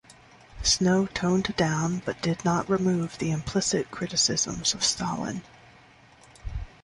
Snow toned down but did not remove the implicit criticisms of Stalin.